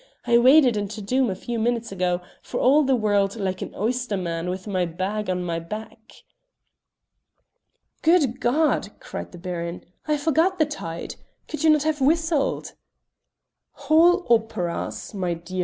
I waded into Doom a few minutes ago, for all the world like an oyster man with my bag on my back." "Good God!" cried the Baron. "I forgot the tide. Could you not have whistled?" "Whole operas, my dear M.